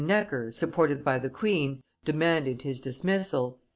Necker, supported by the queen, demanded his dismissal.